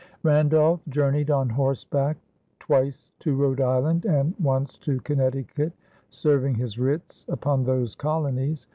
Randolph journeyed on horseback twice to Rhode Island, and once to Connecticut, serving his writs upon those colonies.